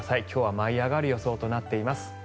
今日は舞い上がる予想となっています。